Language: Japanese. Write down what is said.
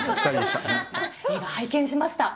映画、拝見しました。